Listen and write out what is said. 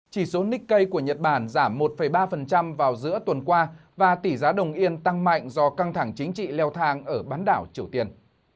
chỉ số nikkei của nhật bản giảm một ba vào giữa tuần qua và tỷ giá đồng yên tăng mạnh do căng thẳng chính trị leo thang ở bán đảo triều tiên